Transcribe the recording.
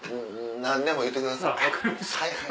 何でも言ってください。